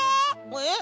えっ？